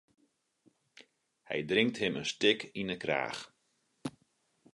Hy drinkt him in stik yn 'e kraach.